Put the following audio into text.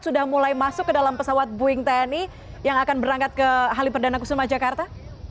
sudah mulai masuk ke dalam pesawat boeing tni yang akan berangkat ke halim perdana kusuma jakarta